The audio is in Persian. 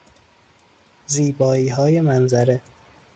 زیباییهای منظره